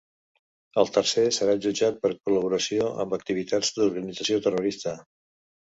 Al tercer serà jutjat per col·laboració amb activitats d’organització terrorista.